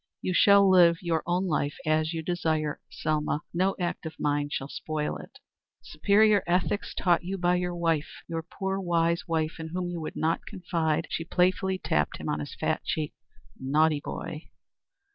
"You shall live your own life as you desire, Selma. No act of mine shall spoil it." "Superior ethics taught you by your wife! Your poor, wise wife in whom you would not confide!" She tapped him playfully on his fat cheek. "Naughty boy!"